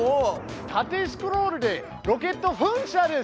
縦スクロールでロケットふん射です！